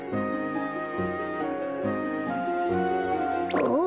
あっ？